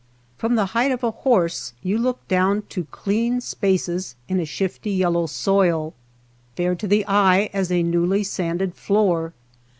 From the height of a horse you look down to clean spaces in a shifty yellow soil, bare to the eye as a newly sanded floor.